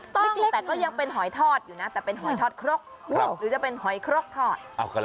ถูกต้องแต่ก็ยังเป็นหอยทอดอยู่นะแต่เป็นหอยทอดครกหรือจะเป็นหอยครกทอด